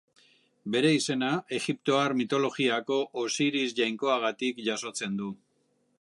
Bere izena egiptoar mitologiako Osiris jainkoagatik jasotzen du.